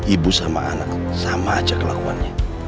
ibu sama anak sama aja kelakuannya